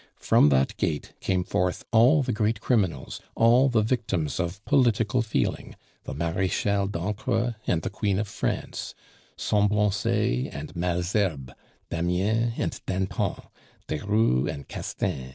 From that gate came forth all the great criminals, all the victims of political feeling the Marechale d'Ancre and the Queen of France, Semblancay and Malesherbes, Damien and Danton, Desrues and Castaing.